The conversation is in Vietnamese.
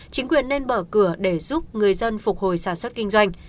chính quyền nên mở cửa để giúp người dân phục hồi sản xuất kinh doanh